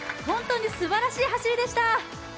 本当にすばらしい走りでした。